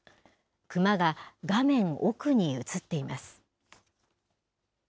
クマが画面奥に写っています。